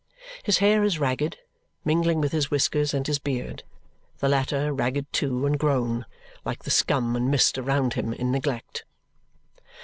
His hair is ragged, mingling with his whiskers and his beard the latter, ragged too, and grown, like the scum and mist around him, in neglect.